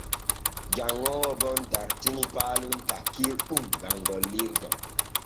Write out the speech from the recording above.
Janŋoowo gom dartini paalon takkirɗum gam gollirgo.